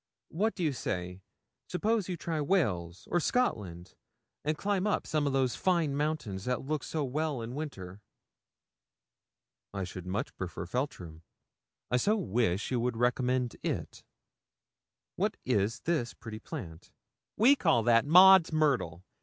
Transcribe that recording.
What do you say? Suppose you try Wales or Scotland, and climb up some of those fine mountains that look so well in winter?' 'I should much prefer Feltram. I so wish you would recommend it. What is this pretty plant?' 'We call that Maud's myrtle.